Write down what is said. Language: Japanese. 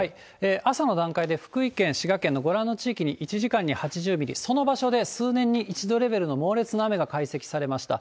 朝の段階で福井県、滋賀県のご覧の地域に１時間に８０ミリ、その場所で数年に１度レベルの猛烈な雨が解析されました。